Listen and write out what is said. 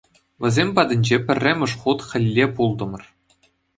Вӗсем патӗнче пӗрремӗш хут хӗлле пултӑмӑр.